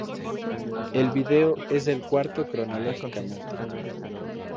El video es el cuarto cronológicamente.